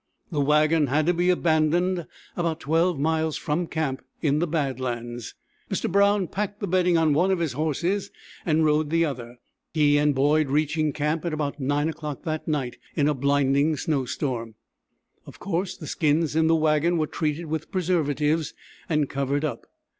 The wagon had to be abandoned about 12 miles from camp in the bad lands. Mr. Brown packed the bedding on one of the horses and rode the other, he and Boyd reaching camp about 9 o'clock that night in a blinding snow storm. Of coarse the skins in the wagon were treated with preservatives and covered up.